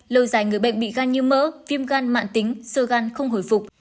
lâu dài người bệnh bị gan như mỡ viêm gan mạng tính sơ gan không hồi phục